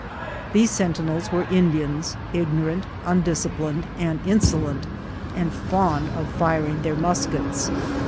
These sen tinels were Indians, ignoorant, undisciplined, and inso lent, and fond of firing their muskets.